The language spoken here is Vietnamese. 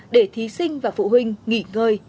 để thí sinh và phụ huynh nghỉ ngơi